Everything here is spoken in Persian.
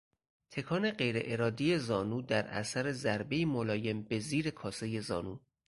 تکان غیر ارادی زانو در اثر ضربهی ملایم به زیر کاسهی زانو